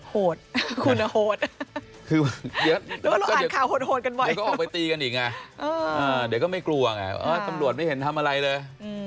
โหดคุณโหดคือเดี๋ยวข่าวโหดกันบ่อยก็ออกไปตีกันอีกไงเดี๋ยวก็ไม่กลัวไงตำรวจไม่เห็นทำอะไรเลย